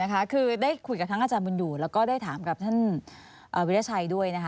คือได้คุยกับทั้งอาจารย์บุญอยู่แล้วก็ได้ถามกับท่านวิทยาชัยด้วยนะคะ